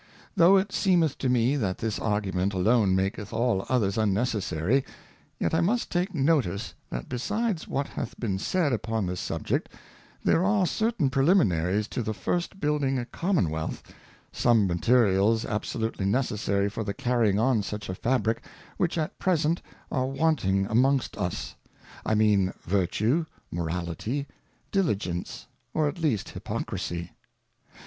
Though it seemeth to me that this Argument alone maketh all others unnecessary, yet I must take notice that besides what hath been said upon this Subject, there are certain Preliminaries I to the first building a Commonwealth, some Materials absolutely j necessary for the carrying on such a Fabrick, which at present I are wanting amongst us, I mean Virtue, Morality, Diligence, or a.t least Hiij)gcrisii.